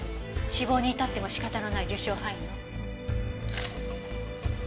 死亡に至っても仕方のない受傷範囲よ。